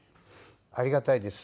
ありがたいです